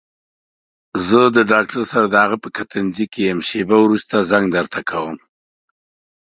زه د ډاکټر سره دهغه په کتنځي کې يم شېبه وروسته زنګ درته کوم.